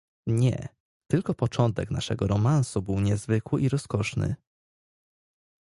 "Nie, tylko początek naszego romansu był niezwykły i rozkoszny."